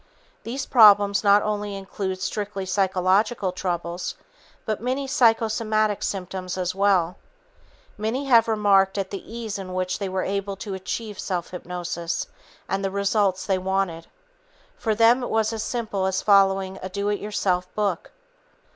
These problems not only include strictly psychological troubles but many psychosomatic symptoms as well. Many have remarked at the ease in which they were able to achieve self hypnosis and the results they wanted. For them it was as simple as following a do it yourself book.